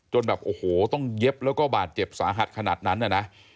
จนต้องเย็บแล้วก็บาดเจ็บสาหัสขนาดนั้น